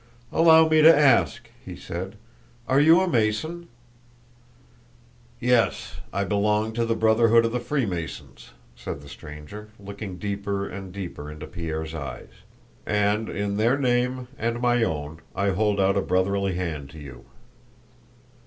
"Allow me to ask," he said, "are you a Mason?" "Yes, I belong to the Brotherhood of the Freemasons," said the stranger, looking deeper and deeper into Pierre's eyes. "And in their name and my own I hold out a brotherly hand to you."